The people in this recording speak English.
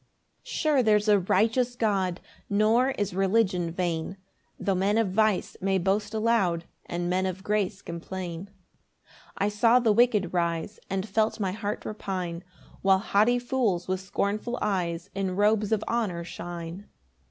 1 Sure there's a righteous God, Nor is religion vain, Tho' men of vice may boast aloud, And men of grace complain. 2 I saw the wicked rise, And felt my heart repine, While haughty fools with scornful eyes In robes of honour shine.